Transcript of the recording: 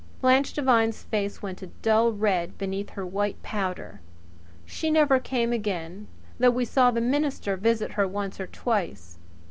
Blanche Devine's face went a dull red beneath her white powder. She never came again though we saw the minister visit her once or twice.